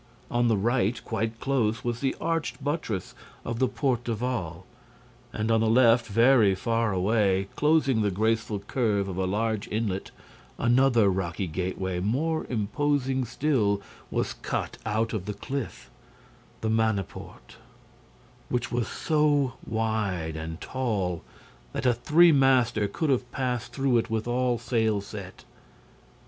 On the right, quite close, was the arched buttress of the Porte d'Aval and, on the left, very far away, closing the graceful curve of a large inlet, another rocky gateway, more imposing still, was cut out of the cliff; the Manneporte, which was so wide and tall that a three master could have passed through it with all sail set.